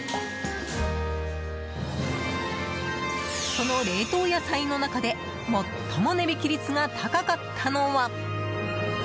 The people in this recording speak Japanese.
その冷凍野菜の中で最も値引率が高かったのは。